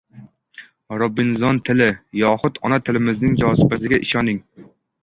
«Robinzon tili» yoxud ona tilimiz jozibasiga ishoning